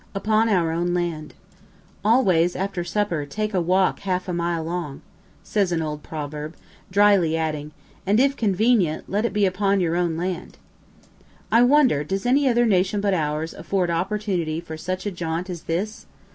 UPON OUR OWN LAND "Always, after supper, take a walk half a mile long," says an old proverb, dryly adding, "and if convenient let it be upon your own land." I wonder does any other nation but ours afford opportunity for such a jaunt as this?